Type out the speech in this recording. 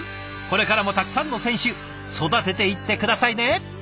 これからもたくさんの選手育てていって下さいね。